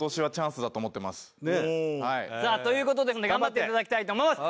さあという事ですので頑張っていただきたいと思います。